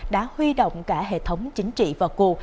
đã huy động cả hệ thống chính trị và cụ